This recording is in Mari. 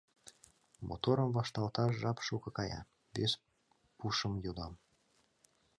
— Моторым вашталташ жап шуко кая, вес пушым йодам.